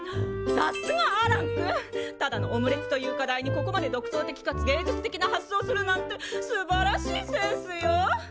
さっすがアランくんただのオムレツという課題にここまで独創的かつ芸術的な発想をするなんてすばらしいセンスよ！